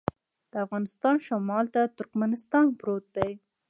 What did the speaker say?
د افغانستان شمال ته ترکمنستان پروت دی